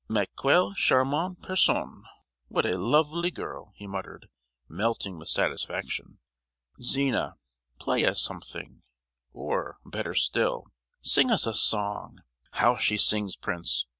"Mais quelle charmante personne!—what a lovely girl!" he muttered, melting with satisfaction. "Zina, play us something, or—better still, sing us a song! How she sings, prince!